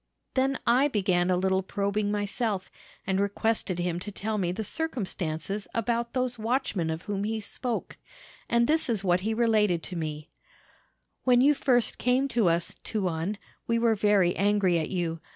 "Then I began a little probing myself, and requested him to tell me the circumstances about those watchmen of whom he spoke. And this is what he related to me: 'When you first came to us, tuan, we were very angry at you.